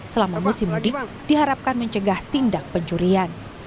selama musim mudik diharapkan mencegah tindak pencurian